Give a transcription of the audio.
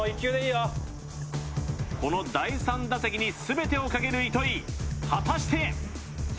この第３打席に全てをかける糸井果たして！？